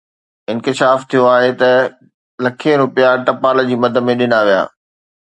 انڪشاف ٿيو آهي ته لکين رپيا ٽپال جي مد ۾ ڏنا ويا